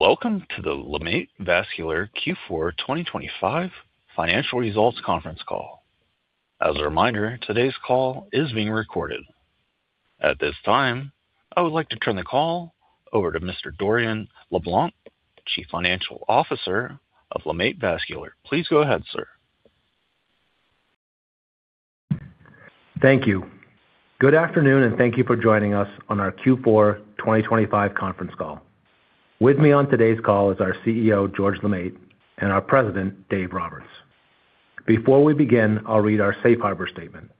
Welcome to the LeMaitre Vascular Q4 2025 financial results conference call. As a reminder, today's call is being recorded. At this time, I would like to turn the call over to Mr. Dorian LeBlanc, the Chief Financial Officer of LeMaitre Vascular. Please go ahead, sir. Thank you. Good afternoon, and thank you for joining us on our Q4 2025 conference call. With me on today's call is our CEO, George LeMaitre, and our President, Dave Roberts. Before we begin, I'll read our safe harbor statement.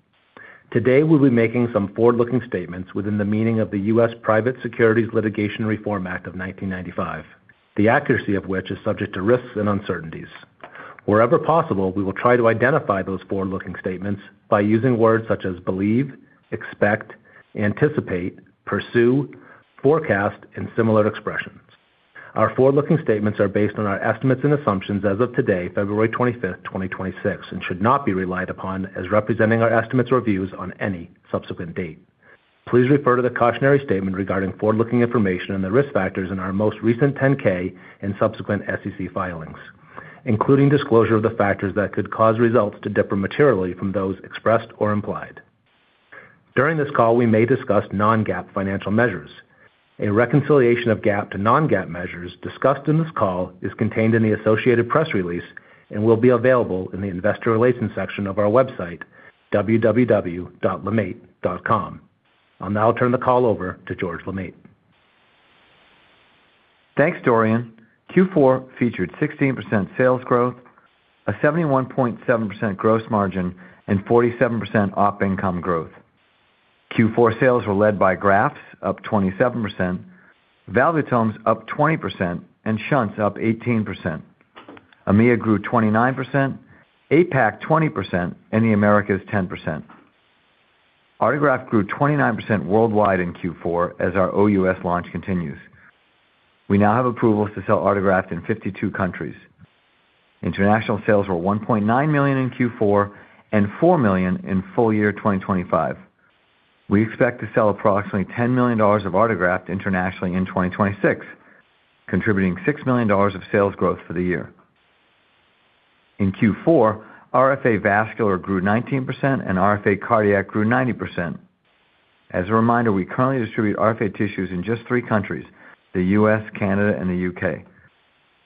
Today, we'll be making some forward-looking statements within the meaning of the U.S. Private Securities Litigation Reform Act of 1995. The accuracy of which is subject to risks and uncertainties. Wherever possible, we will try to identify those forward-looking statements by using words such as believe, expect, anticipate, pursue, forecast, and similar expressions. Our forward-looking statements are based on our estimates and assumptions as of today, February 25th, 2026, and should not be relied upon as representing our estimates or views on any subsequent date. Please refer to the cautionary statement regarding forward-looking information and the risk factors in our most recent 10-K and subsequent SEC filings, including disclosure of the factors that could cause results to differ materially from those expressed or implied. During this call, we may discuss non-GAAP financial measures. A reconciliation of GAAP to non-GAAP measures discussed in this call is contained in the associated press release and will be available in the investor relations section of our website, www.lemaitre.com. I'll now turn the call over to George LeMaitre. Thanks, Dorian. Q4 featured 16% sales growth, a 71.7% gross margin, and 47% op income growth. Q4 sales were led by grafts up 27%, valvulotomes up 20%, and shunts up 18%. EMEA grew 29%, APAC, 20%, and the Americas, 10%. Artegraft grew 29% worldwide in Q4 as our OUS launch continues. We now have approvals to sell Artegraft in 52 countries. International sales were $1.9 million in Q4 and $4 million in full year 2025. We expect to sell approximately $10 million of Artegraft internationally in 2026, contributing $6 million of sales growth for the year. In Q4, RFA Vascular grew 19% and RFA Cardiac grew 90%. As a reminder, we currently distribute RFA tissues in just three countries, the U.S., Canada, and the U.K.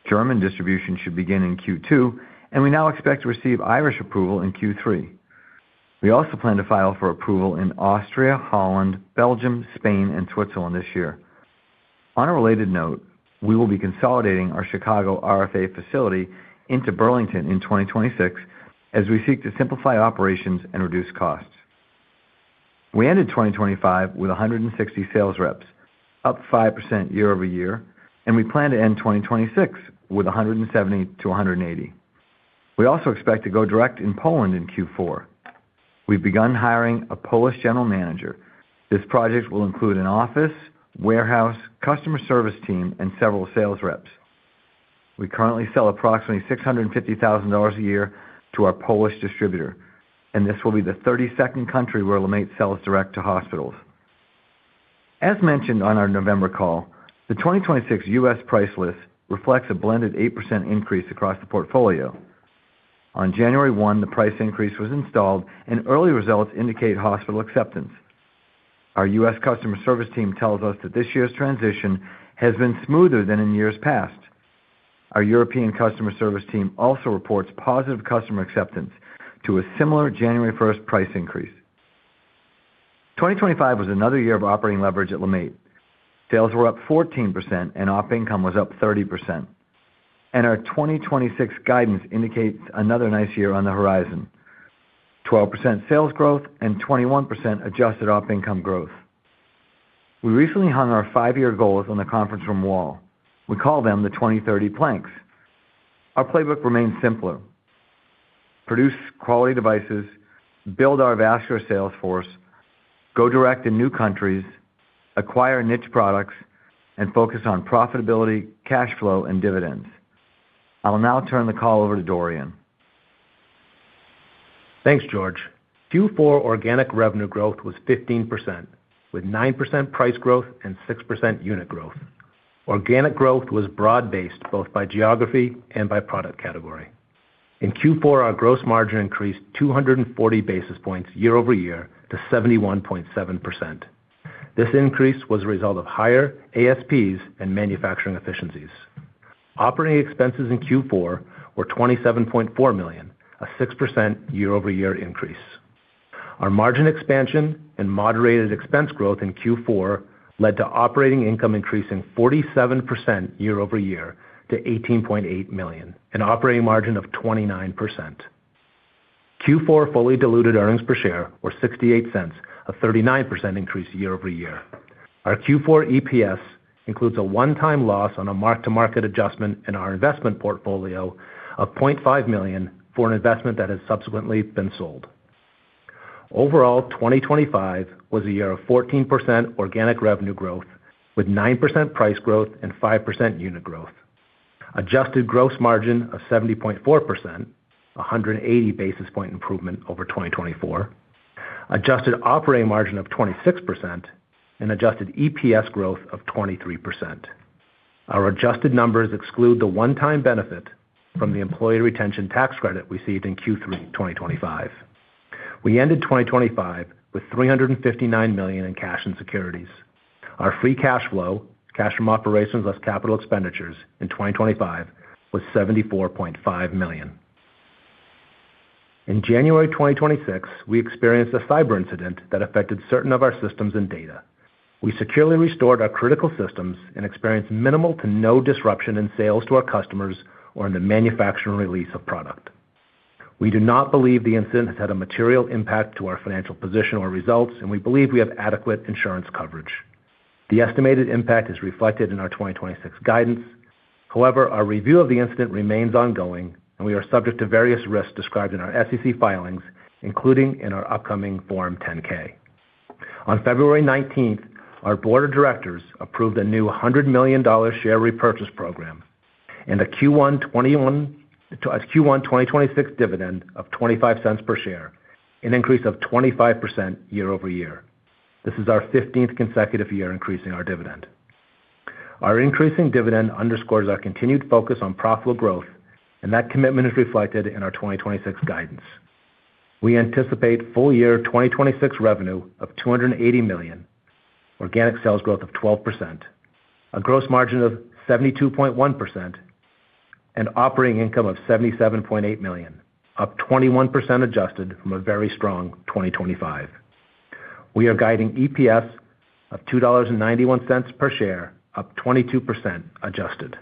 German distribution should begin in Q2, and we now expect to receive Irish approval in Q3. We also plan to file for approval in Austria, Holland, Belgium, Spain, and Switzerland this year. On a related note, we will be consolidating our Chicago RFA facility into Burlington in 2026 as we seek to simplify operations and reduce costs. We ended 2025 with 160 sales reps, up 5% year-over-year, and we plan to end 2026 with 170-180. We also expect to go direct in Poland in Q4. We've begun hiring a Polish general manager. This project will include an office, warehouse, customer service team, and several sales reps. We currently sell approximately $650,000 a year to our Polish distributor. This will be the 32nd country where LeMaitre sells direct to hospitals. As mentioned on our November call, the 2026 U.S. price list reflects a blended 8% increase across the portfolio. On January 1, the price increase was installed. Early results indicate hospital acceptance. Our U.S. customer service team tells us that this year's transition has been smoother than in years past. Our European customer service team also reports positive customer acceptance to a similar January 1st price increase. 2025 was another year of operating leverage at LeMaitre. Sales were up 14% and op income was up 30%, and our 2026 guidance indicates another nice year on the horizon. 12% sales growth and 21% adjusted op income growth. We recently hung our five-year goals on the conference room wall. We call them the 2030 Planks. Our playbook remains simpler: produce quality devices, build our vascular sales force, go direct in new countries, acquire niche products, and focus on profitability, cash flow, and dividends. I will now turn the call over to Dorian. Thanks, George. Q4 organic revenue growth was 15%, with 9% price growth and 6% unit growth. Organic growth was broad-based, both by geography and by product category. In Q4, our gross margin increased 240 basis points year-over-year to 71.7%. This increase was a result of higher ASPs and manufacturing efficiencies. Operating expenses in Q4 were $27.4 million, a 6% year-over-year increase. Our margin expansion and moderated expense growth in Q4 led to operating income increasing 47% year-over-year to $18.8 million, an operating margin of 29%. Q4 fully diluted earnings per share were $0.68, a 39% increase year-over-year. Our Q4 EPS includes a one-time loss on a mark-to-market adjustment in our investment portfolio of $0.5 million for an investment that has subsequently been sold. 2025 was a year of 14% organic revenue growth with 9% price growth and 5% unit growth, adjusted gross margin of 70.4%, 180 basis point improvement over 2024. Adjusted operating margin of 26% and adjusted EPS growth of 23%. Our adjusted numbers exclude the one-time benefit from the Employee Retention Tax Credit received in Q3 2025. We ended 2025 with $359 million in cash and securities. Our free cash flow, cash from operations, less CapEx in 2025 was $74.5 million. In January 2026, we experienced a cyber incident that affected certain of our systems and data. We securely restored our critical systems and experienced minimal to no disruption in sales to our customers or in the manufacturing release of product. We do not believe the incident has had a material impact to our financial position or results, and we believe we have adequate insurance coverage. The estimated impact is reflected in our 2026 guidance. However, our review of the incident remains ongoing, and we are subject to various risks described in our SEC filings, including in our upcoming Form 10-K. On February 19th, our board of directors approved a new $100 million share repurchase program and a Q1 2026 dividend of $0.25 per share, an increase of 25% year-over-year. This is our 15th consecutive year increasing our dividend. Our increasing dividend underscores our continued focus on profitable growth, and that commitment is reflected in our 2026 guidance. We anticipate full year 2026 revenue of $280 million, organic sales growth of 12%, a gross margin of 72.1%, and operating income of $77.8 million, up 21% adjusted from a very strong 2025. We are guiding EPS of $2.91 per share, up 22% adjusted.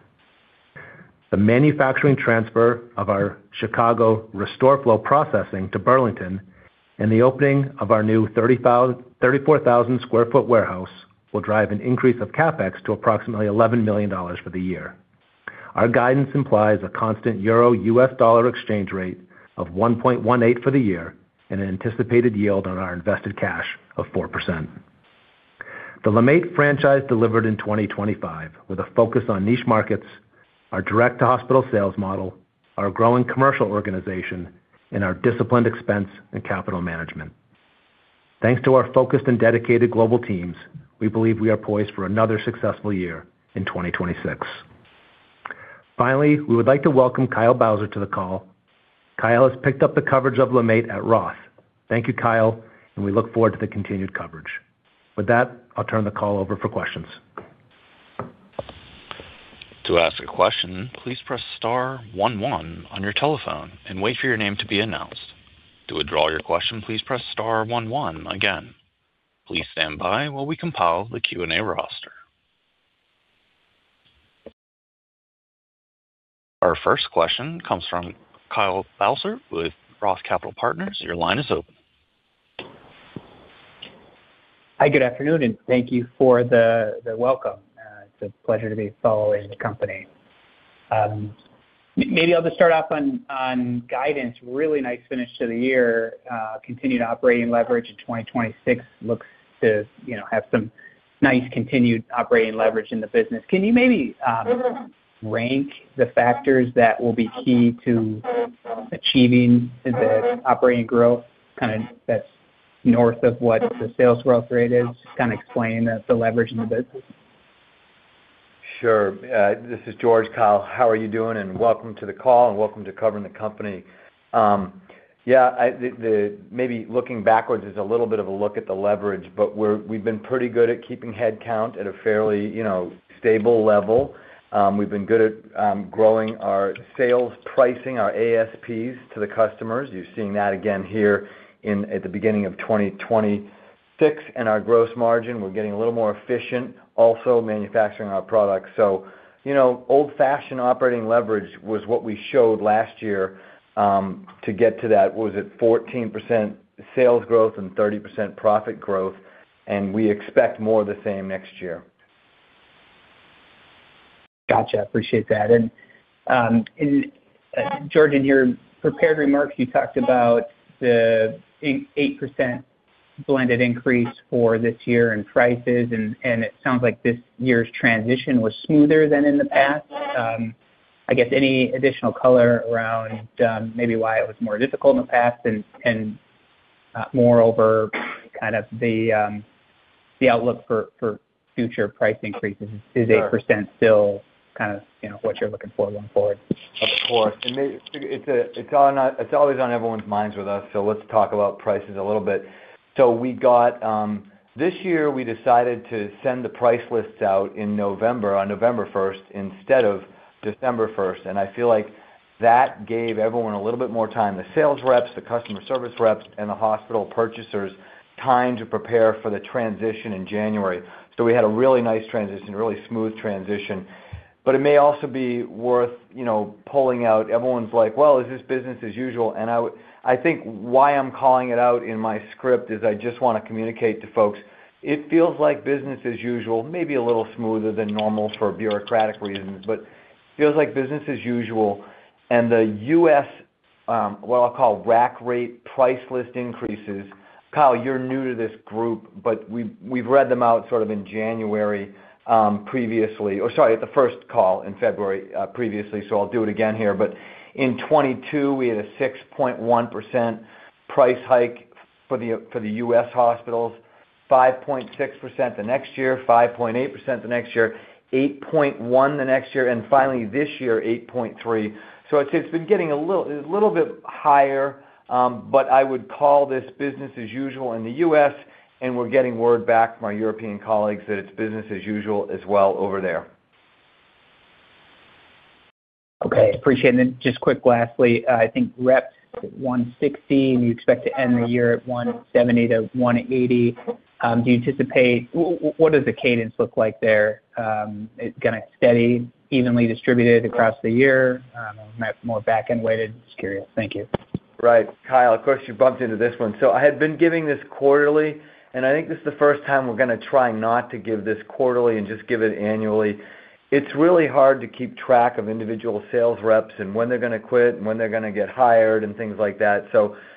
The manufacturing transfer of our Chicago RestoreFlow processing to Burlington and the opening of our new 34,000 sq ft warehouse will drive an increase of CapEx to approximately $11 million for the year. Our guidance implies a constant euro U.S. dollar exchange rate of 1.18 for the year and an anticipated yield on our invested cash of 4%. The LeMaitre franchise delivered in 2025 with a focus on niche markets, our direct-to-hospital sales model, our growing commercial organization, and our disciplined expense and capital management. Thanks to our focused and dedicated global teams, we believe we are poised for another successful year in 2026. Finally, we would like to welcome Kyle Bauser to the call. Kyle has picked up the coverage of LeMaitre at Roth. Thank you, Kyle, and we look forward to the continued coverage. With that, I'll turn the call over for questions. To ask a question, please press star one one on your telephone and wait for your name to be announced. To withdraw your question, please press star one one again. Please stand by while we compile the Q&A roster. Our first question comes from Kyle Bauser with Roth Capital Partners. Your line is open. Hi, good afternoon, and thank you for the welcome. It's a pleasure to be following the company. Maybe I'll just start off on guidance. Really nice finish to the year. Continued operating leverage in 2026 looks to, you know, have some nice continued operating leverage in the business. Can you maybe rank the factors that will be key to achieving the operating growth, kind of, that's north of what the sales growth rate is? Just kind of explain the leverage in the business. Sure. This is George. Kyle, how are you doing? Welcome to the call, and welcome to covering the company. Yeah, maybe looking backwards is a little bit of a look at the leverage, but we've been pretty good at keeping headcount at a fairly, you know, stable level. We've been good at growing our sales pricing, our ASPs, to the customers. You're seeing that again here at the beginning of 2026. Our gross margin, we're getting a little more efficient, also manufacturing our products. You know, old-fashioned operating leverage was what we showed last year to get to that. Was it 14% sales growth and 30% profit growth? We expect more of the same next year. Gotcha. Appreciate that. George, in your prepared remarks, you talked about the 8% blended increase for this year in prices, and it sounds like this year's transition was smoother than in the past. I guess any additional color around maybe why it was more difficult in the past and moreover, kind of the outlook for future price increases? Is 8% still kind of, you know, what you're looking for going forward? Of course. It's always on everyone's minds with us. Let's talk about prices a little bit. We got, This year, we decided to send the price lists out in November, on November 1st, instead of December 1st, and I feel like that gave everyone a little bit more time, the sales reps, the customer service reps, and the hospital purchasers, time to prepare for the transition in January. We had a really nice transition, a really smooth transition. It may also be worth, you know, Everyone's like: Well, is this business as usual? I think why I'm calling it out in my script is I just want to communicate to folks, it feels like business as usual, maybe a little smoother than normal for bureaucratic reasons, but feels like business as usual. The U.S., what I'll call rack rate price list increases... Kyle, you're new to this group, but we've read them out sort of in January previously. Sorry, at the first call in February previously, I'll do it again here. In 2022, we had a 6.1% price hike for the U.S. hospitals.... 5.6% the next year, 5.8% the next year, 8.1% the next year, Finally, this year, 8.3%. It's been getting a little bit higher, I would call this business as usual in the U.S., We're getting word back from our European colleagues that it's business as usual as well over there. Okay, appreciate. Just quick, lastly, I think reps 160, and you expect to end the year at 170-180. Do you anticipate what does the cadence look like there? Is it gonna steady, evenly distributed across the year, more back-end weighted? Just curious. Thank you. Right. Kyle, of course, you bumped into this one. I had been giving this quarterly, and I think this is the first time we're gonna try not to give this quarterly and just give it annually. It's really hard to keep track of individual sales reps and when they're gonna quit, and when they're gonna get hired, and things like that.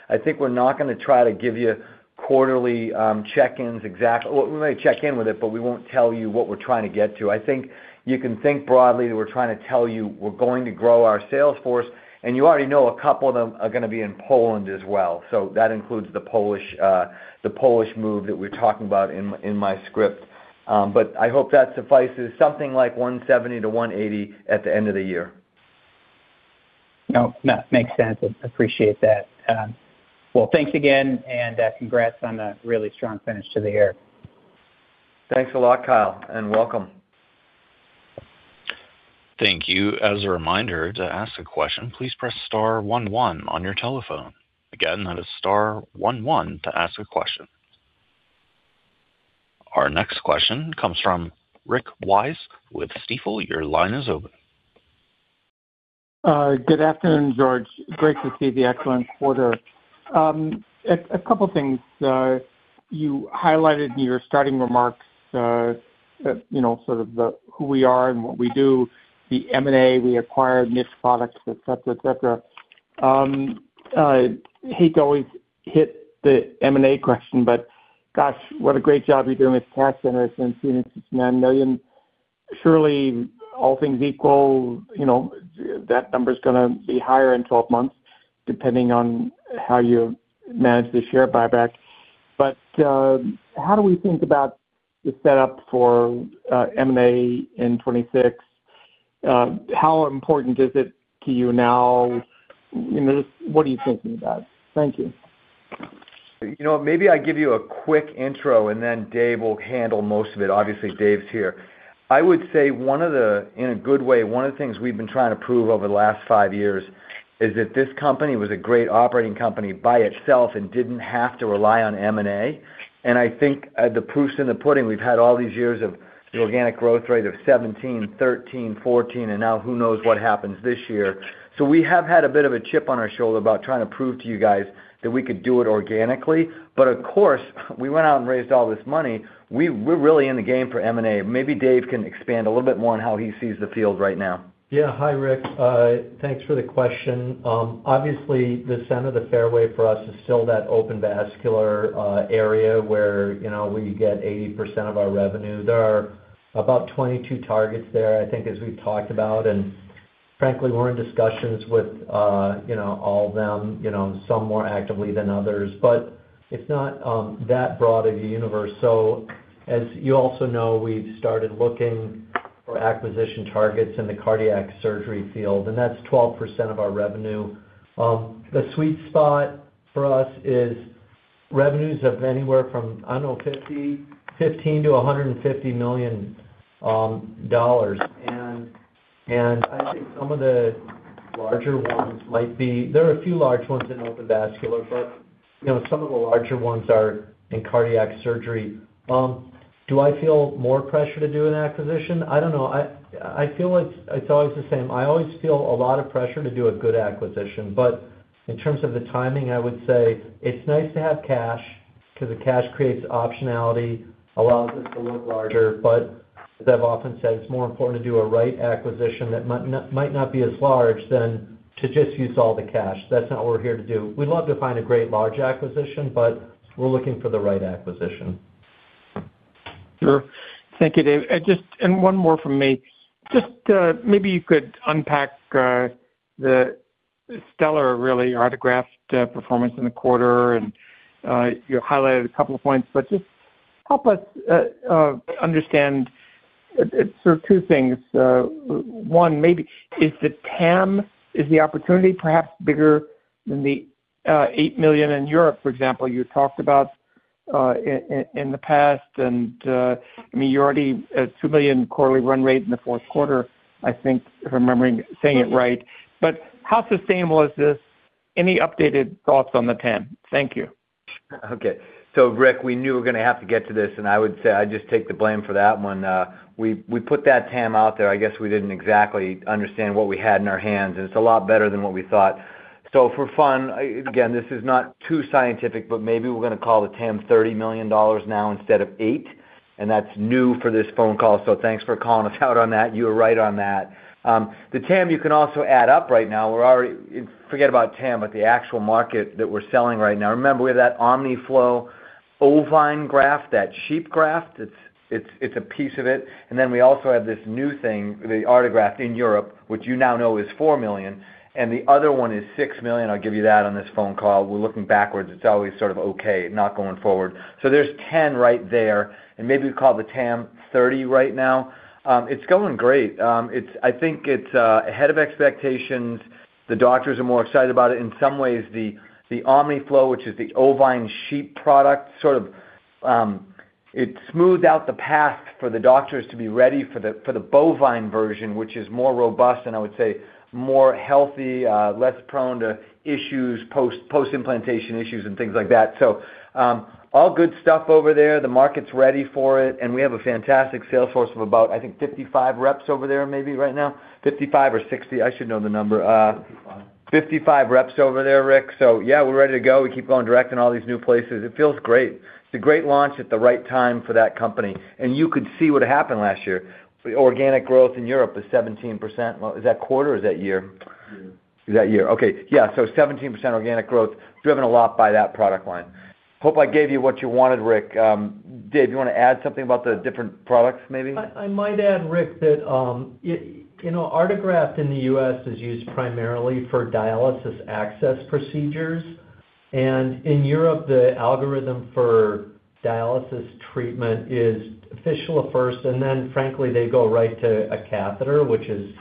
I think we're not gonna try to give you quarterly check-ins, well, we may check in with it, but we won't tell you what we're trying to get to. I think you can think broadly, that we're trying to tell you we're going to grow our sales force, and you already know a couple of them are gonna be in Poland as well. That includes the Polish move that we're talking about in my script. I hope that suffices. Something like 170-180 at the end of the year. No, no, makes sense. I appreciate that. Well, thanks again, and congrats on a really strong finish to the year. Thanks a lot, Kyle, and welcome. Thank you. As a reminder, to ask a question, please press star one one on your telephone. Again, that is star one one to ask a question. Our next question comes from Rick Wise with Stifel. Your line is open. Good afternoon, George. Great to see the excellent quarter. A couple things. You highlighted in your starting remarks, you know, sort of the who we are and what we do, the M&A, we acquired niche products, et cetera, et cetera. I hate to always hit the M&A question, but gosh, what a great job you're doing with cash centers since seeing it since $9 million. Surely, all things equal, you know, that number's gonna be higher in 12 months, depending on how you manage the share buyback. How do we think about the setup for M&A in 2026? How important is it to you now? You know, just what are you thinking about? Thank you. You know, maybe I give you a quick intro, then Dave will handle most of it. Obviously, Dave's here. I would say one of the, in a good way, one of the things we've been trying to prove over the last five years is that this company was a great operating company by itself and didn't have to rely on M&A. I think the proofs in the pudding, we've had all these years of the organic growth rate of 17%, 13%, 14%, now who knows what happens this year. We have had a bit of a chip on our shoulder about trying to prove to you guys that we could do it organically. Of course, we went out and raised all this money. We're really in the game for M&A. Maybe Dave can expand a little bit more on how he sees the field right now. Yeah. Hi, Rick. Thanks for the question. Obviously, the center of the fairway for us is still that open vascular area where, you know, we get 80% of our revenue. There are about 22 targets there, I think, as we've talked about. Frankly, we're in discussions with, you know, all of them, you know, some more actively than others. It's not that broad of a universe. As you also know, we've started looking for acquisition targets in the cardiac surgery field. That's 12% of our revenue. The sweet spot for us is revenues of anywhere from, I don't know, $15 million-$150 million. I think some of the larger ones might be... There are a few large ones in open vascular, but, you know, some of the larger ones are in cardiac surgery. Do I feel more pressure to do an acquisition? I don't know. I feel it's always the same. I always feel a lot of pressure to do a good acquisition. In terms of the timing, I would say it's nice to have cash because the cash creates optionality, allows us to look larger. As I've often said, it's more important to do a right acquisition that might not be as large than to just use all the cash. That's not what we're here to do. We'd love to find a great large acquisition, but we're looking for the right acquisition. Dave. Just, and one more from me. Just, maybe you could unpack the stellar, really, Artegraft performance in the quarter, and you highlighted a couple of points, but just help us understand it, sort of two things. One, maybe is the TAM, is the opportunity perhaps bigger than the $8 million in Europe, for example, you talked about in the past? And I mean, you're already at $2 million quarterly run rate in the fourth quarter, I think, if I'm remembering saying it right. But how sustainable is this? Any updated thoughts on the TAM? Thank you. Okay. Rick, we knew we're gonna have to get to this, and I would say I just take the blame for that one. We put that TAM out there. I guess we didn't exactly understand what we had in our hands, and it's a lot better than what we thought. For fun, again, this is not too scientific, but maybe we're gonna call the TAM $30 million now instead of $8 million, and that's new for this phone call. Thanks for calling us out on that. You were right on that. The TAM, you can also add up right now. Forget about TAM, but the actual market that we're selling right now, remember, we have that Omniflow ovine graft, that sheep graft. It's a piece of it. We also have this new thing, the Artegraft in Europe, which you now know is $4 million, and the other one is $6 million. I'll give you that on this phone call. We're looking backwards. It's always sort of okay, not going forward. There's 10 right there, and maybe we call the TAM 30 right now. It's going great. I think it's ahead of expectations. The doctors are more excited about it. In some ways, the Omniflow, which is the ovine sheep product, it smoothed out the path for the doctors to be ready for the bovine version, which is more robust, and I would say more healthy, less prone to issues, post-implantation issues and things like that. All good stuff over there. The market's ready for it. We have a fantastic sales force of about, I think, 55 reps over there, maybe right now. 55 or 60, I should know the number. 55 reps over there, Rick. Yeah, we're ready to go. We keep going direct in all these new places. It feels great. It's a great launch at the right time for that company. You could see what happened last year. The organic growth in Europe was 17%. Is that quarter or is that year? Is that year? Okay. Yeah, 17% organic growth, driven a lot by that product line. Hope I gave you what you wanted, Rick. Dave, you want to add something about the different products, maybe? I might add, Rick, that, you know, Artegraft in the U.S. is used primarily for dialysis access procedures. In Europe, the algorithm for dialysis treatment is fistula first, then frankly, they go right to a catheter, which is,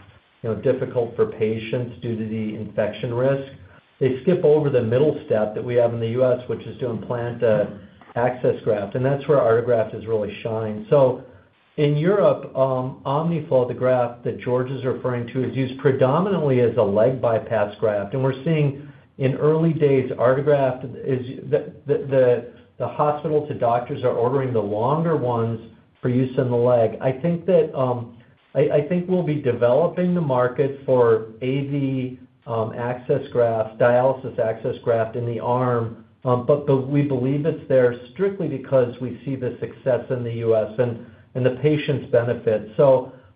you know, difficult for patients due to the infection risk. They skip over the middle step that we have in the U.S., which is to implant a access graft, and that's where Artegraft has really shined. In Europe, Omniflow, the graft that George is referring to, is used predominantly as a leg bypass graft, and we're seeing in early days, Artegraft is the hospital to doctors are ordering the longer ones for use in the leg. I think that I think we'll be developing the market for AV access graft, dialysis access graft in the arm. We believe it's there strictly because we see the success in the U.S., and the patients benefit.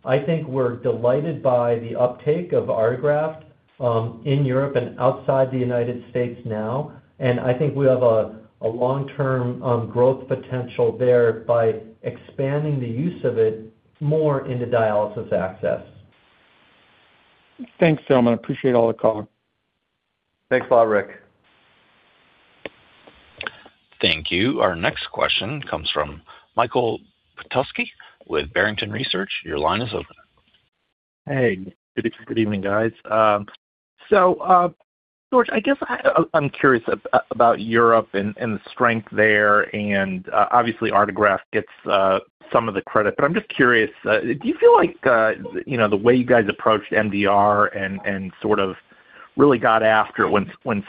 I think we're delighted by the uptake of Artegraft in Europe and outside the United States now, and I think we have a long-term growth potential there by expanding the use of it more into dialysis access. Thanks, gentlemen. I appreciate all the color. Thanks a lot, Rick. Thank you. Our next question comes from Michael Petusky with Barrington Research. Your line is open. Hey, good evening, guys. George, I guess I'm curious about Europe and the strength there, and obviously, Artegraft gets some of the credit, but I'm just curious, do you feel like, you know, the way you guys approached MDR and sort of really got after it when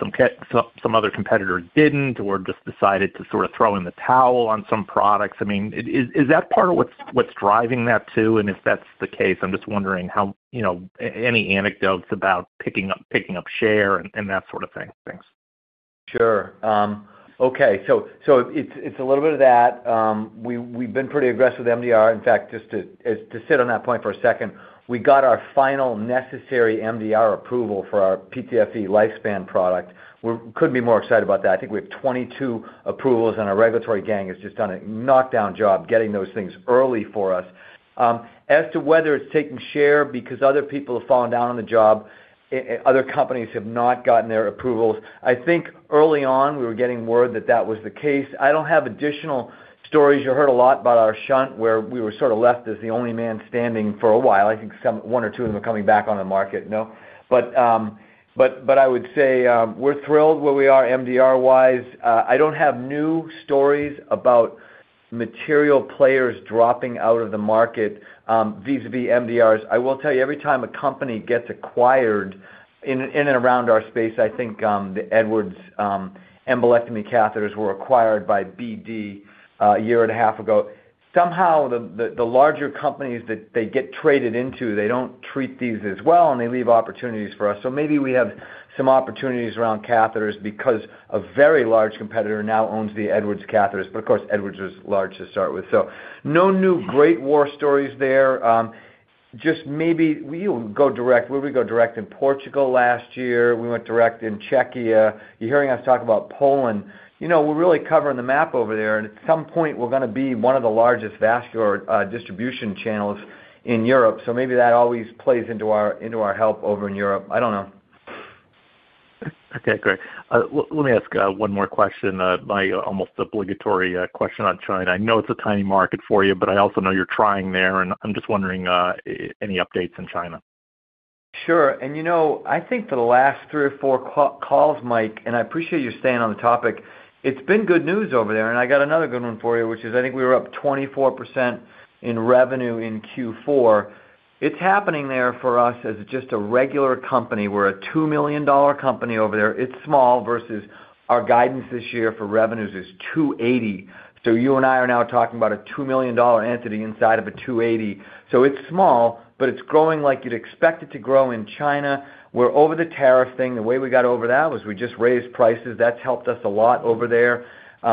some other competitors didn't or just decided to sort of throw in the towel on some products? I mean, is that part of what's driving that, too? If that's the case, I'm just wondering how, you know, any anecdotes about picking up share and that sort of thing. Thanks. Sure. Okay. It's a little bit of that. We've been pretty aggressive with MDR. In fact, just to sit on that point for a second, we got our final necessary MDR approval for our ePTFE LifeSpan product. We couldn't be more excited about that. I think we have 22 approvals, and our regulatory gang has just done a knockdown job getting those things early for us. As to whether it's taking share because other people have fallen down on the job, other companies have not gotten their approvals. Early on, we were getting word that that was the case. I don't have additional stories. You heard a lot about our shunt, where we were sort of left as the only man standing for a while. I think some, one or two of them are coming back on the market now. I would say, we're thrilled where we are, MDR-wise. I don't have new stories about material players dropping out of the market, vis-à-vis MDRs. I will tell you, every time a company gets acquired in and around our space, I think, the Edwards embolectomy catheters were acquired by BD a year and a half ago. Somehow, the larger companies that they get traded into, they don't treat these as well, and they leave opportunities for us. Maybe we have some opportunities around catheters because a very large competitor now owns the Edwards catheters, of course, Edwards was large to start with. No new great war stories there. Just maybe we'll go direct. We would go direct in Portugal last year. We went direct in Czechia. You're hearing us talk about Poland. You know, we're really covering the map over there, and at some point, we're going to be one of the largest vascular distribution channels in Europe. Maybe that always plays into our help over in Europe. I don't know. Okay, great. Let me ask one more question, my almost obligatory question on China. I know it's a tiny market for you, but I also know you're trying there, and I'm just wondering, any updates in China? Sure. You know, I think for the last three or four calls, Mike, and I appreciate you staying on the topic, it's been good news over there, and I got another good one for you, which is, I think we were up 24% in revenue in Q4. It's happening there for us as just a regular company. We're a $2 million company over there. It's small versus our guidance this year for revenues is $280 million. You and I are now talking about a $2 million entity inside of a $280 million. It's small, but it's growing like you'd expect it to grow in China. We're over the tariff thing. The way we got over that was we just raised prices. That's helped us a lot over there.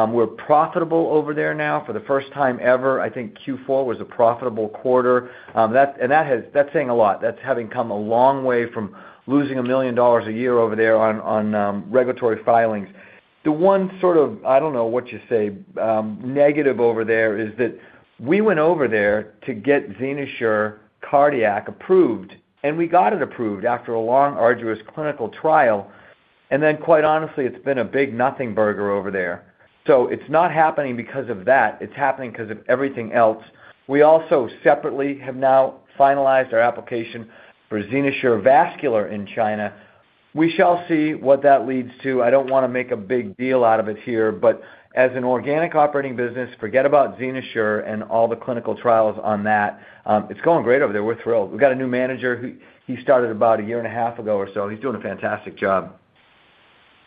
We're profitable over there now for the first time ever. I think Q4 was a profitable quarter. That's saying a lot. That's having come a long way from losing $1 million a year over there on regulatory filings. The one sort of, I don't know what you say, negative over there is that we went over there to get XenoSure Cardiac approved, and we got it approved after a long, arduous clinical trial. Quite honestly, it's been a big nothing burger over there. It's not happening because of that. It's happening because of everything else. We also separately have now finalized our application for XenoSure Vascular in China. We shall see what that leads to. I don't want to make a big deal out of it here, but as an organic operating business, forget about XenoSure and all the clinical trials on that. It's going great over there. We're thrilled. We've got a new manager, he started about a year and a half ago or so. He's doing a fantastic job.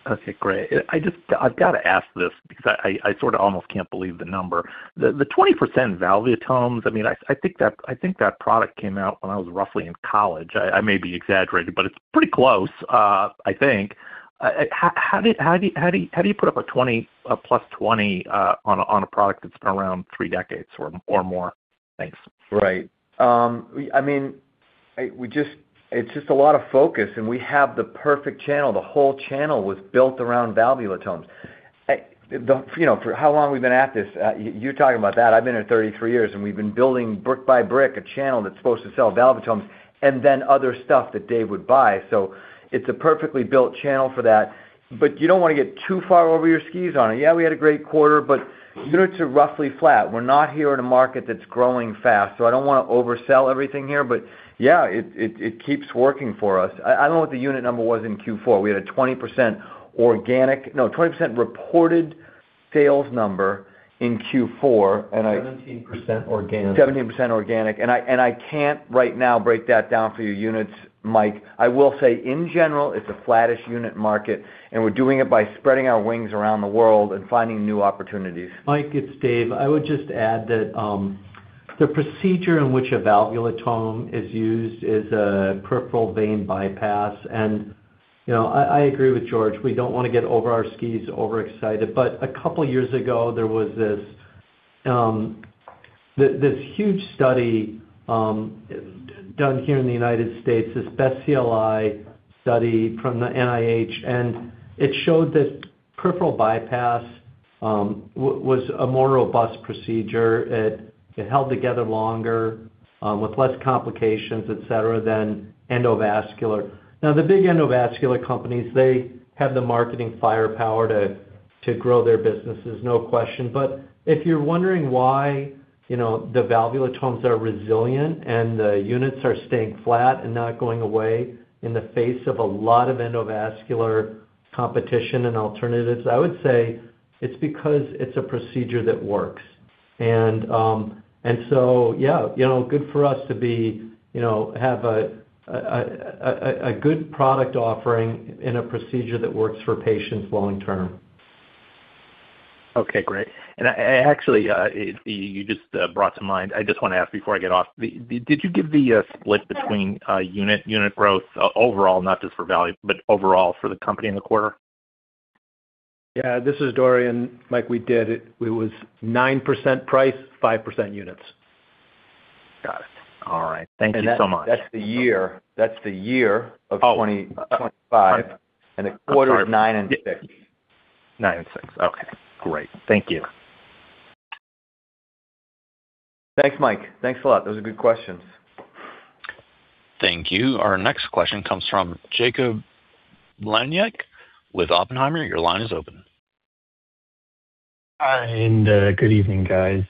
Okay, great. I've got to ask this because I sort of almost can't believe the number. The 20% valvulotomes, I mean, I think that product came out when I was roughly in college. I may be exaggerating, but it's pretty close, I think. How do you put up a plus 20% on a product that's been around three decades or more? Thanks. Right. I mean, it's just a lot of focus, and we have the perfect channel. The whole channel was built around valvulotomes. You know, for how long we've been at this, you're talking about that. I've been here 33 years, and we've been building, brick by brick, a channel that's supposed to sell valvulotomes and then other stuff that Dave would buy. It's a perfectly built channel for that, but you don't want to get too far over your skis on it. Yeah, we had a great quarter, but units are roughly flat. We're not here in a market that's growing fast, so I don't want to oversell everything here. Yeah, it, it keeps working for us. I don't know what the unit number was in Q4. We had a 20% organic... No, 20% reported sales number in Q4. 17% organic. 17% organic. I can't right now break that down for you, units, Mike. I will say, in general, it's a flattish unit market. We're doing it by spreading our wings around the world and finding new opportunities. Mike, it's Dave. I would just add that, the procedure in which a valvulotome is used is a peripheral vein bypass. You know, I agree with George. We don't want to get over our skis, overexcited, but a couple of years ago, there was this huge study, done here in the United States, this BEST-CLI study from the NIH, and it showed that peripheral bypass was a more robust procedure. It, it held together longer, with less complications, et cetera, than endovascular. The big endovascular companies, they have the marketing firepower to grow their businesses, no question. If you're wondering why, you know, the valvulotomes are resilient and the units are staying flat and not going away in the face of a lot of endovascular competition and alternatives, I would say it's because it's a procedure that works. Yeah, you know, good for us to be, you know, have a good product offering in a procedure that works for patients long term. Okay, great. Actually, you just brought to mind. I just want to ask before I get off. Did you give the split between unit growth overall, not just for value, but overall for the company in the quarter? Yeah, this is Dorian. Mike, we did. It was 9% price, 5% units. Got it. All right. Thank you so much. That's the year. Oh. Of 2025. I'm sorry. The quarter is 9% and 6%. 9% and 6%. Okay, great. Thank you. Thanks, Mike. Thanks a lot. Those are good questions. Thank you. Our next question comes from Jakub Mlejnek with Oppenheimer. Your line is open. Hi, good evening, guys.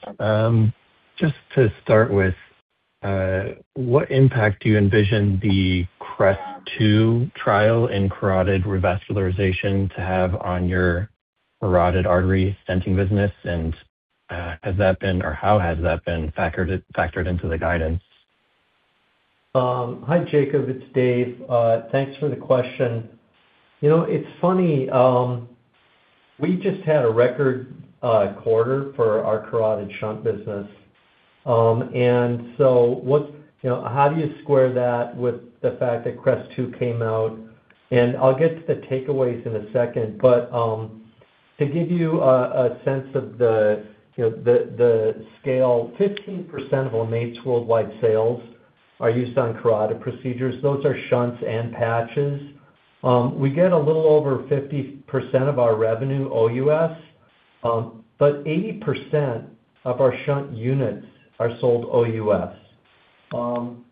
Just to start with, what impact do you envision the CREST-2 trial in carotid revascularization to have on your carotid artery stenting business? Has that been, or how has that been factored into the guidance? Hi, Jakub, it's Dave. Thanks for the question. You know, it's funny, we just had a record quarter for our carotid shunt business. You know, how do you square that with the fact that CREST-2 came out? I'll get to the takeaways in a second, but to give you a sense of the, you know, the scale, 15% of our LeMaitre worldwide sales are used on carotid procedures. Those are shunts and patches. We get a little over 50% of our revenue OUS, but 80% of our shunt units are sold OUS. You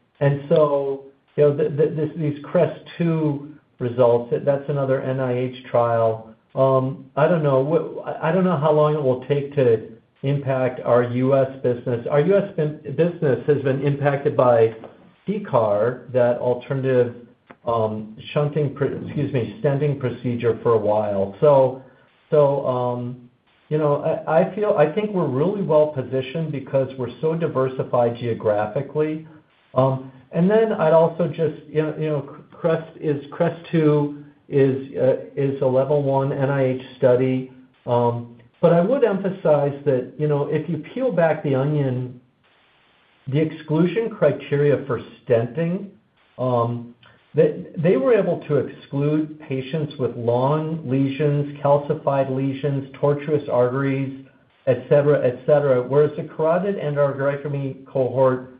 know, these CREST-2 results, that's another NIH trial. I don't know how long it will take to impact our U.S. business. Our U.S. business has been impacted by TCAR, that alternative, shunting, excuse me, stenting procedure for a while. You know, I feel I think we're really well-positioned because we're so diversified geographically. I'd also just, you know, CREST-2 is a level one NIH study. I would emphasize that, you know, if you peel back the onion, the exclusion criteria for stenting, they were able to exclude patients with long lesions, calcified lesions, tortuous arteries, et cetera, et cetera, whereas the carotid endarterectomy cohort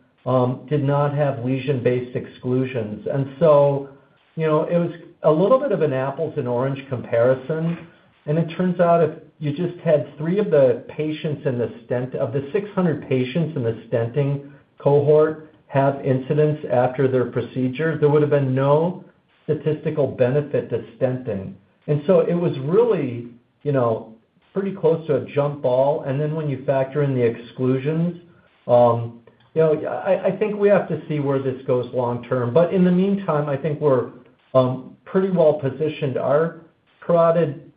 did not have lesion-based exclusions. It was a little bit of an apples and orange comparison, and it turns out if you just had three of the patients of the 600 patients in the stenting cohort have incidents after their procedure, there would have been no statistical benefit to stenting. It was really, you know, pretty close to a jump ball, and then when you factor in the exclusions. You know, I think we have to see where this goes long term, but in the meantime, I think we're pretty well positioned. Our carotid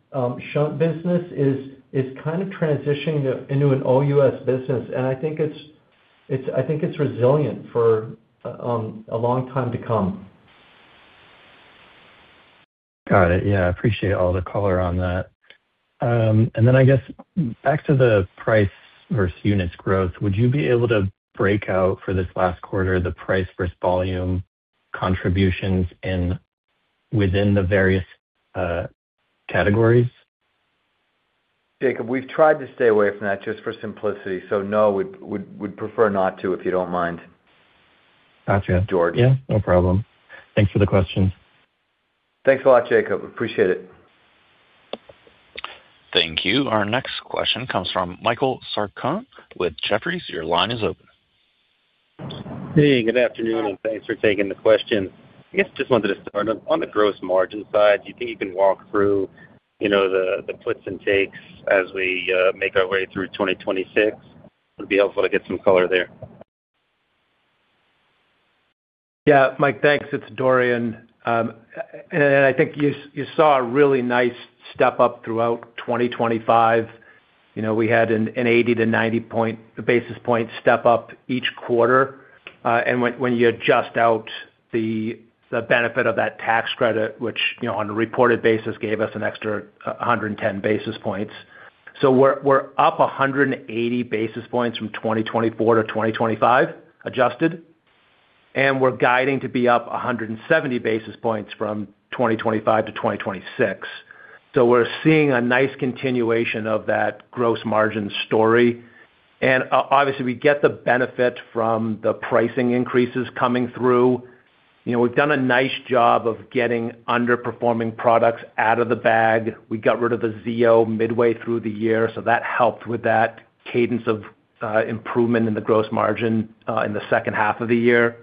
shunt business is kind of transitioning into an OUS business, and I think it's resilient for a long time to come. Got it. Yeah, I appreciate all the color on that. Then I guess back to the price versus units growth, would you be able to break out for this last quarter, the price versus volume contributions in within the various categories? Jakub, we've tried to stay away from that just for simplicity. No, we'd prefer not to, if you don't mind. Gotcha. George. Yeah, no problem. Thanks for the question. Thanks a lot, Jakub. Appreciate it. Thank you. Our next question comes from Michael Sarcone with Jefferies. Your line is open. Hey, good afternoon, and thanks for taking the question. I guess, just wanted to start on the gross margin side. Do you think you can walk through, you know, the puts and takes as we make our way through 2026? It'd be helpful to get some color there. Yeah, Mike, thanks. It's Dorian. I think you saw a really nice step up throughout 2025. You know, we had an 80-90 basis point step up each quarter. When you adjust out the benefit of that tax credit, which, you know, on a reported basis, gave us an extra 110 basis points. We're up 180 basis points from 2024 to 2025, adjusted, and we're guiding to be up 170 basis points from 2025 to 2026. We're seeing a nice continuation of that gross margin story. Obviously, we get the benefit from the pricing increases coming through. You know, we've done a nice job of getting underperforming products out of the bag. We got rid of the Zio midway through the year, that helped with that cadence of improvement in the gross margin in the second half of the year.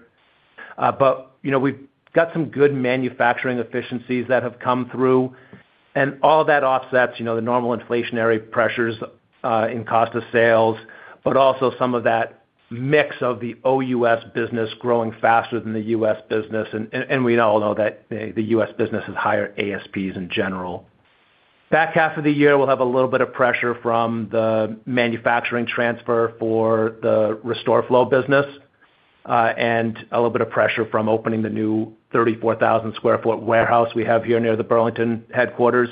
You know, we've got some good manufacturing efficiencies that have come through, all of that offsets, you know, the normal inflationary pressures in cost of sales, but also some of that mix of the OUS business growing faster than the U.S. business. We all know that the U.S. business has higher ASPs in general. Back half of the year, we'll have a little bit of pressure from the manufacturing transfer for the RestoreFlow business, and a little bit of pressure from opening the new 34,000 sq ft warehouse we have here near the Burlington headquarters.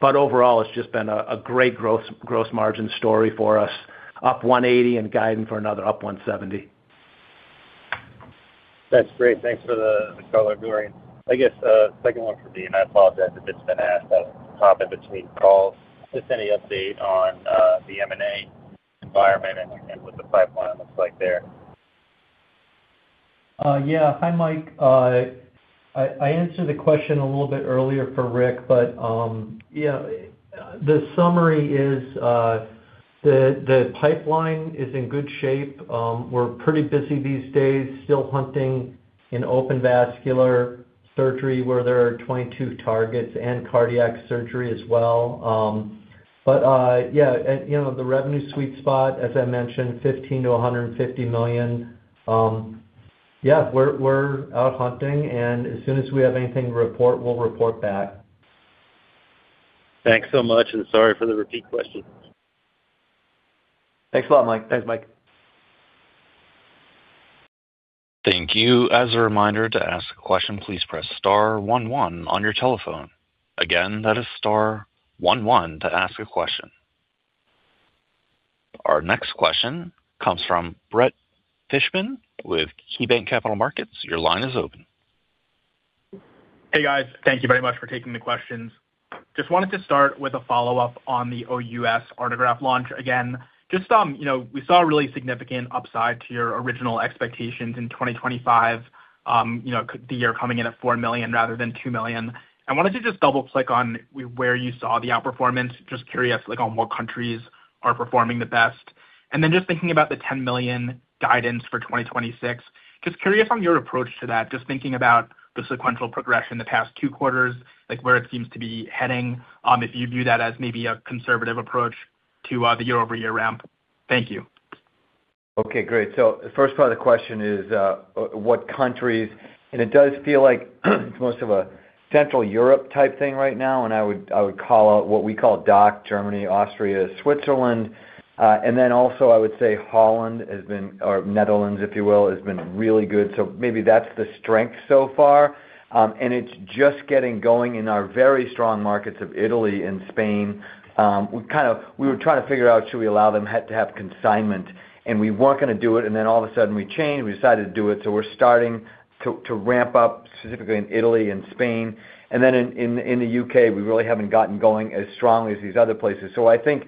Overall, it's just been a great gross margin story for us, up 180 and guiding for another up 170. That's great. Thanks for the color, Dorian. I guess, second one for me, and I apologize if it's been asked. I was hopping between calls. Just any update on the M&A environment and what the pipeline looks like there? Yeah. Hi, Mike. I answered the question a little bit earlier for Rick. Yeah, the summary is the pipeline is in good shape. We're pretty busy these days, still hunting in open vascular surgery, where there are 22 targets, and cardiac surgery as well. Yeah, and, you know, the revenue sweet spot, as I mentioned, $15 million-$150 million. Yeah, we're out hunting, and as soon as we have anything to report, we'll report back. Thanks so much. Sorry for the repeat question. Thanks a lot, Mike. Thanks, Mike. Thank you. As a reminder, to ask a question, please press star one one on your telephone. Again, that is star one one to ask a question. Our next question comes from Brett Fishbin with KeyBanc Capital Markets. Your line is open. Hey, guys. Thank you very much for taking the questions. Just wanted to start with a follow-up on the OUS Artegraft launch. Again, just, you know, we saw a really significant upside to your original expectations in 2025. You know, the year coming in at $4 million rather than $2 million. I wanted to just double-click on where you saw the outperformance. Just curious, like, on what countries are performing the best. Just thinking about the $10 million guidance for 2026, just curious on your approach to that, just thinking about the sequential progression the past two quarters, like, where it seems to be heading, if you view that as maybe a conservative approach to the year-over-year ramp. Thank you. Okay, great. The first part of the question is, what countries? It does feel like it's most of a Central Europe-type thing right now, I would call out what we call DACH, Germany, Austria, Switzerland. Also I would say Holland has been or Netherlands, if you will, has been really good. Maybe that's the strength so far. It's just getting going in our very strong markets of Italy and Spain. We were trying to figure out, should we allow them to have consignment? We weren't gonna do it, then all of a sudden, we changed. We decided to do it, we're starting to ramp up specifically in Italy and Spain. Then in the U.K., we really haven't gotten going as strongly as these other places. I think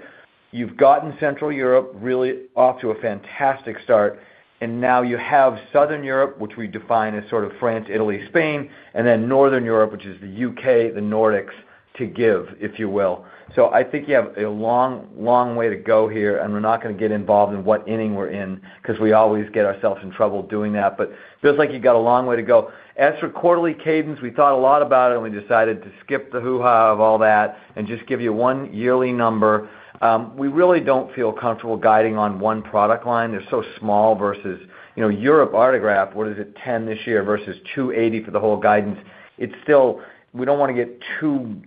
you've gotten Central Europe really off to a fantastic start, and now you have Southern Europe, which we define as sort of France, Italy, Spain, and then Northern Europe, which is the U.K., the Nordics, to give, if you will. I think you have a long, long way to go here, and we're not gonna get involved in what inning we're in, 'cause we always get ourselves in trouble doing that. Feels like you've got a long way to go. As for quarterly cadence, we thought a lot about it, and we decided to skip the hoo-ha of all that and just give you one yearly number. We really don't feel comfortable guiding on one product line. They're so small versus, you know, Europe Artegraft, what is it? $10 million this year versus $280 million for the whole guidance.... It's still, we don't want to get too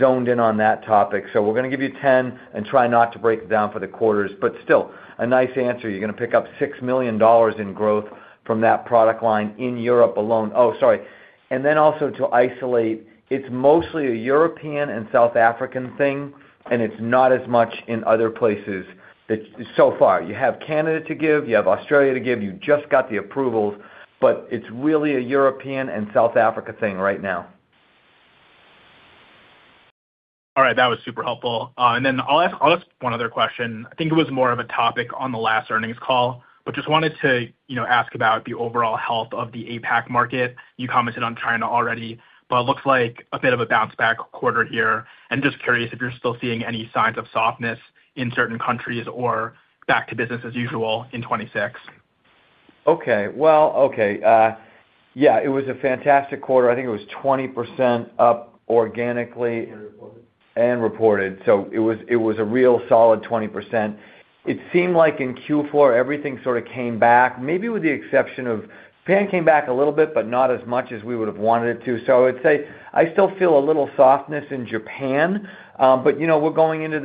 zoned in on that topic. We're going to give you $10 million and try not to break it down for the quarters, still a nice answer. You're going to pick up $6 million in growth from that product line in Europe alone. Oh, sorry. Also to isolate, it's mostly a European and South African thing. It's not as much in other places. It's so far, you have Canada to give, you have Australia to give, you just got the approvals. It's really a European and South Africa thing right now. All right. That was super helpful. I'll ask one other question. I think it was more of a topic on the last earnings call, just wanted to, you know, ask about the overall health of the APAC market. You commented on China already, it looks like a bit of a bounce back quarter here. Just curious if you're still seeing any signs of softness in certain countries or back to business as usual in 2026. Okay. Well, okay, yeah, it was a fantastic quarter. I think it was 20% up organically- Reported. It was a real solid 20%. It seemed like in Q4, everything sort of came back, maybe with the exception of, Japan came back a little bit, but not as much as we would have wanted it to. I'd say I still feel a little softness in Japan, but, you know, we're going into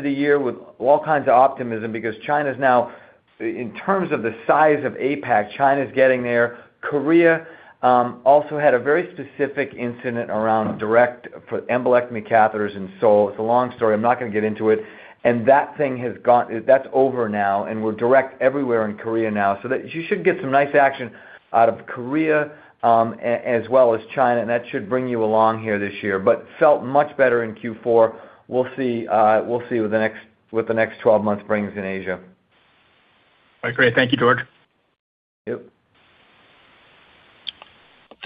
the year with all kinds of optimism because China is now, in terms of the size of APAC, China is getting there. Korea, also had a very specific incident around direct for embolectomy catheters in Seoul. It's a long story. I'm not going to get into it. That thing that's over now, and we're direct everywhere in Korea now, so that you should get some nice action out of Korea, as well as China, and that should bring you along here this year, but felt much better in Q4. We'll see, we'll see what the next 12 months brings in Asia. All right, great. Thank you, George. Yep.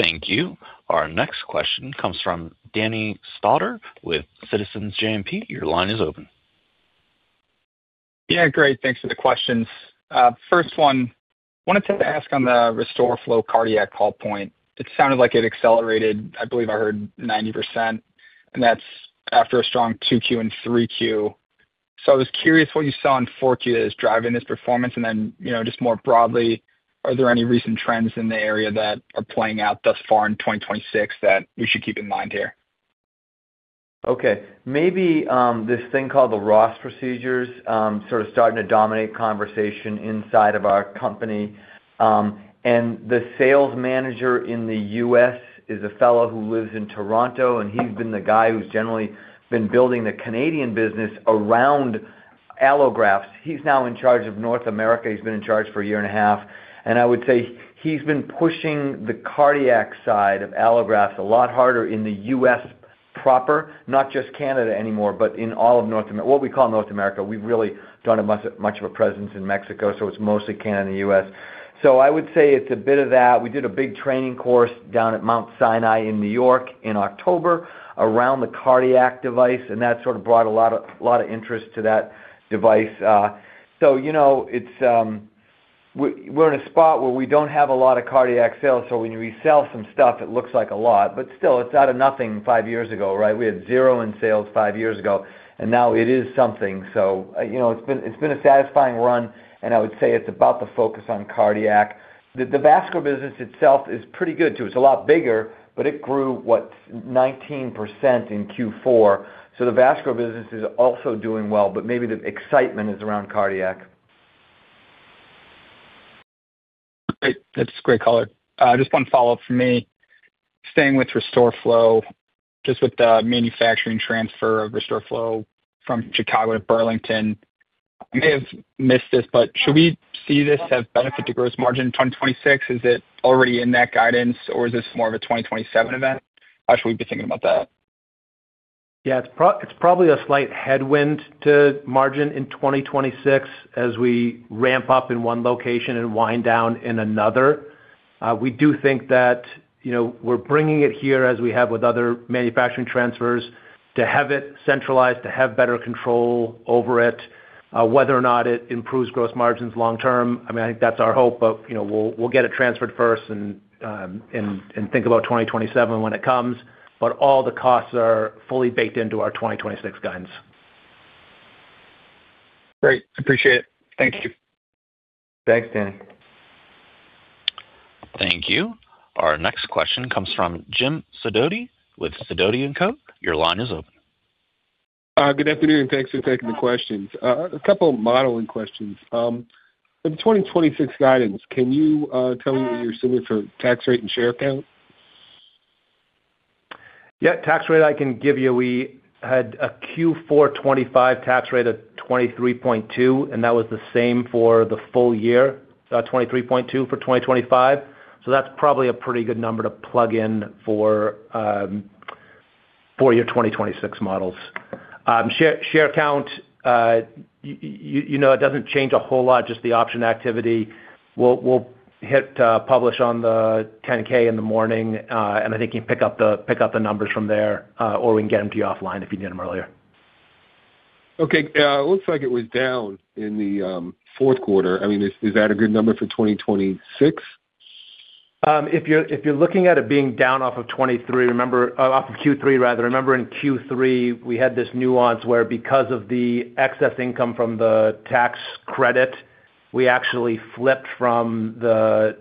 Thank you. Our next question comes from Danny Stauder with Citizens JMP. Your line is open. Great. Thanks for the questions. First one, wanted to ask on the RestoreFlow cardiac call point. It sounded like it accelerated. I believe I heard 90%, and that's after a strong 2Q and 3Q. I was curious what you saw in 4Q that is driving this performance, then, you know, just more broadly, are there any recent trends in the area that are playing out thus far in 2026 that we should keep in mind here? Maybe, this thing called the Ross procedure, sort of starting to dominate conversation inside of our company. The sales manager in the U.S. is a fellow who lives in Toronto, and he's been the guy who's generally been building the Canadian business around allografts. He's now in charge of North America. He's been in charge for a year and a half, I would say he's been pushing the cardiac side of allografts a lot harder in the U.S. proper, not just Canada anymore, but in all of North America, what we call North America. We've really done much of a presence in Mexico, it's mostly Canada and the U.S. I would say it's a bit of that. We did a big training course down at Mount Sinai in New York in October around the cardiac device, and that sort of brought a lot of interest to that device. You know, it's, we're in a spot where we don't have a lot of cardiac sales, so when we sell some stuff, it looks like a lot, but still, it's out of nothing five years ago, right? We had zero in sales five years ago, and now it is something. You know, it's been a satisfying run, and I would say it's about the focus on cardiac. The vascular business itself is pretty good, too. It's a lot bigger, but it grew, what, 19% in Q4. The vascular business is also doing well, but maybe the excitement is around cardiac. Great. That's a great call. Just one follow-up for me. Staying with RestoreFlow, just with the manufacturing transfer of RestoreFlow from Chicago to Burlington. I may have missed this, but should we see this as a benefit to gross margin in 2026? Is it already in that guidance, or is this more of a 2027 event? How should we be thinking about that? Yeah, it's probably a slight headwind to margin in 2026 as we ramp up in one location and wind down in another. We do think that, you know, we're bringing it here, as we have with other manufacturing transfers, to have it centralized, to have better control over it, whether or not it improves gross margins long term. I mean, I think that's our hope, but, you know, we'll get it transferred first and think about 2027 when it comes. All the costs are fully baked into our 2026 guidance. Great. Appreciate it. Thank you. Thanks, Danny. Thank you. Our next question comes from James Sidoti with Sidoti & Co. Your line is open. Good afternoon, thanks for taking the questions. A couple of modeling questions. The 2026 guidance, can you tell me what you're assuming for tax rate and share count? Yeah, tax rate, I can give you. We had a Q4 2025 tax rate of 23.2%, and that was the same for the full year, 23.2% for 2025. That's probably a pretty good number to plug in for your 2026 models. Share count, you know, it doesn't change a whole lot, just the option activity. We'll hit publish on the 10-K in the morning. I think you can pick up the numbers from there, or we can get them to you offline if you need them earlier. Okay. It looks like it was down in the fourth quarter. I mean, is that a good number for 2026? If you're looking at it being down off of 2023, remember, off of Q3 rather, remember in Q3, we had this nuance where because of the excess income from the Tax Credit, we actually flipped from the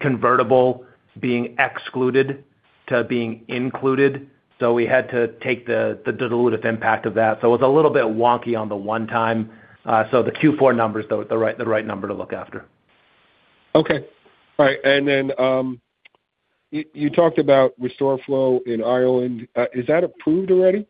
convertible being excluded to being included. We had to take the dilutive impact of that. It was a little bit wonky on the one-time. The Q4 numbers, though, the right number to look after. Okay. All right. You talked about RestoreFlow in Ireland. Is that approved already?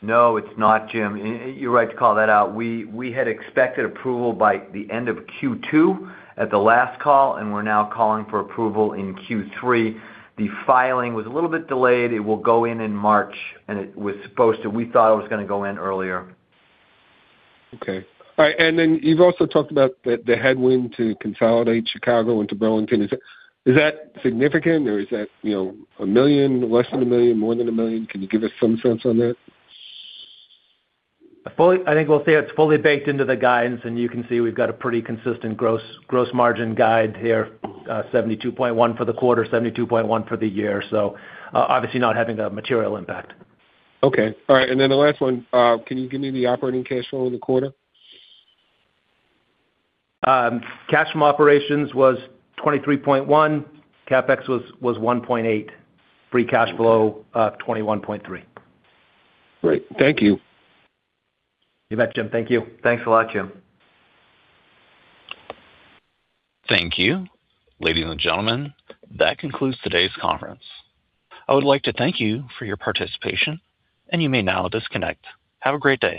No, it's not, Jim. You're right to call that out. We had expected approval by the end of Q2 at the last call, and we're now calling for approval in Q3. The filing was a little bit delayed. It will go in in March, and it was supposed to. We thought it was going to go in earlier. Okay. All right. Then you've also talked about the headwind to consolidate Chicago into Burlington. Is that significant, or is that, you know, $1 million, less than $1 million, more than $1 million? Can you give us some sense on that? I think we'll say it's fully baked into the guidance, you can see we've got a pretty consistent gross margin guide here, 72.1% for the quarter, 72.1% for the year. Obviously not having a material impact. Okay. All right, The last one, can you give me the operating cash flow in the quarter? Cash from operations was $23.1 million. CapEx was $1.8 million. Free cash flow, $21.3 million. Great. Thank you. You bet, Jim. Thank you. Thanks a lot, Jim. Thank you. Ladies and gentlemen, that concludes today's conference. I would like to thank you for your participation, and you may now disconnect. Have a great day.